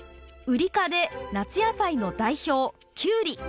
ウリ科で夏野菜の代表キュウリ！